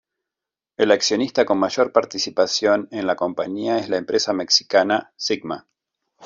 El accionista con mayor participación en la compañía es la empresa mexicana Sigma.